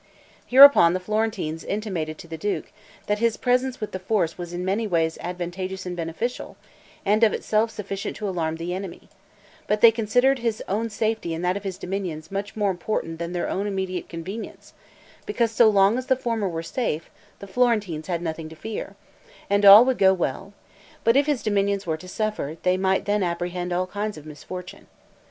Hereupon the Florentines intimated to the duke, that his presence with the force was in many ways advantageous and beneficial, and of itself sufficient to alarm the enemy; but they considered his own safety and that of his dominions, much more important than their own immediate convenience; because so long as the former were safe, the Florentines had nothing to fear, and all would go well; but if his dominions were to suffer, they might then apprehend all kinds of misfortune.